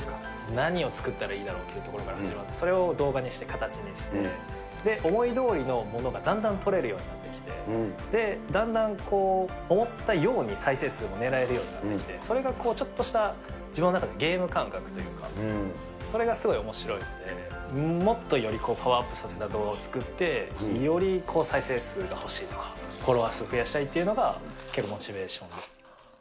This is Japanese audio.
何を作ったらいいだろうというところから始まって、それを動画にして形して、思いどおりのものがだんだん撮れるようになってきて、だんだんこう、思ったように再生数もねらえるようになってきて、それがちょっとした自分の中でゲーム感覚というか、それがすごいおもしろいんで、もっとよりパワーアップさせた動画を作って、より再生数が欲しいとか、フォロワー数増やしたいっていうのが、結構モチベーションですね。